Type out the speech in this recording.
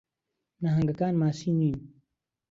نەھەنگەکان ماسی نین.